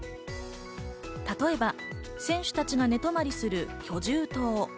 例えば選手たちが寝泊まりする居住棟。